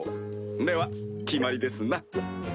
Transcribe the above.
では決まりですな。